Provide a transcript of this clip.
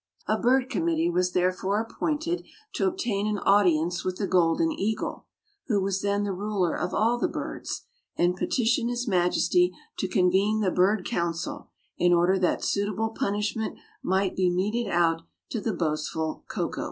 A bird committee was therefore appointed to obtain an audience with the Golden Eagle, who was then the ruler of all the birds, and petition his majesty to convene the bird council in order that suitable punishment might be meted out to the boastful Koko.